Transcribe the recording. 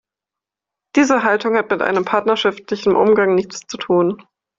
Diese Haltung hat mit einem partnerschaftlichen Umgang nichts zu tun.